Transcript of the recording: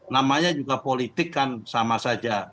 namanya juga politik kan sama saja